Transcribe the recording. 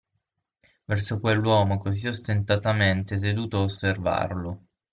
Verso quell'uomo così ostentatamente seduto a osservarlo.